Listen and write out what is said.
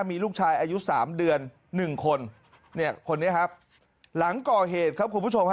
มีลูกชายอายุสามเดือนหนึ่งคนเนี่ยคนนี้ครับหลังก่อเหตุครับคุณผู้ชมฮะ